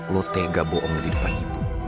lo tega bohong di depan ibu